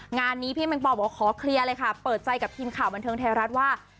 งานนี้พี่แมงปอลบอกขอเคลียร์เลยค่ะเปิดใจกับทีมข่าวบันเทิงไทยรัฐว่า